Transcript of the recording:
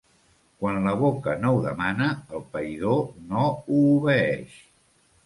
Quan la boca no ho demana el païdor no ho obeeix.